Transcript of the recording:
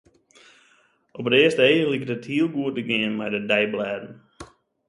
Op it earste each liket it heel goed te gean mei de deiblêden.